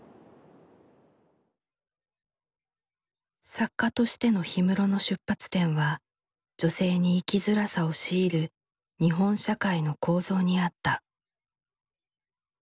作家としての氷室の出発点は女性に生きづらさを強いる日本社会の構造にあった。